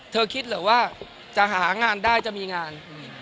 คิดเหรอว่าจะหางานได้จะมีงาน